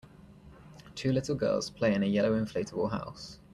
Two little girls play in a yellow inflatable house.